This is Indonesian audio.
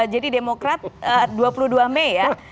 jadi demokrat dua puluh dua mei ya